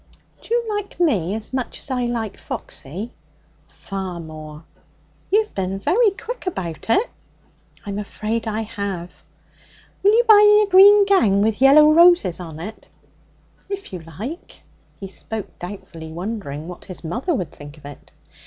'D'you like me as much as I like Foxy?' 'Far more.' 'You've bin very quick about it.' 'I'm afraid I have.' 'Will you buy me a green gown with yellow roses on?' 'If you like.' He spoke doubtfully, wondering what his mother would think of it.